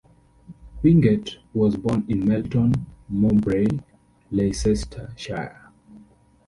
Wingett was born in Melton Mowbray, Leicestershire.